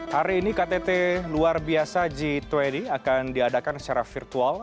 hari ini ktt luar biasa g dua puluh akan diadakan secara virtual